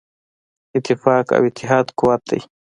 اتفاق او اتحاد قوت دی.